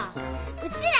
うちら